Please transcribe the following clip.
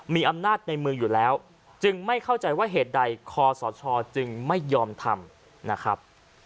มีอำนาจในเมืองอยู่แล้วจึงไม่เข้าใจว่าเหตุใดคอสชจึงไม่ยอมทำนะครับ